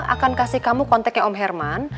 akan kasih kamu kontaknya om herman